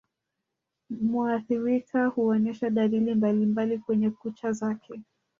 Muathirika huonesha dalili mbalimbali kwenye kucha zake